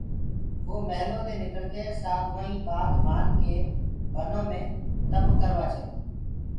وو مِيهلودي نڪݪڪي سآڌوآئيٚنٚ ٻآت مآنڪي بنو مي تپَ ڪروآ چيلوگو